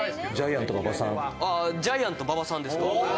ああジャイアント馬場さんですか？